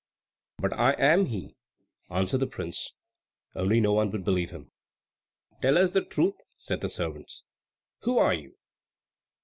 "But I am he," answered the prince; only no one would believe him. "Tell us the truth," said the servants; "who are you?"